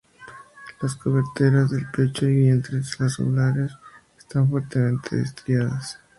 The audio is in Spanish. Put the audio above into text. Las coberteras, el pecho y el vientre y las subalares están fuertemente estriadas.